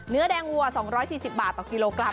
เนื้อแดงวัว๒๔๐บาทต่อกิโลกรัม